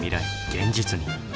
現実に。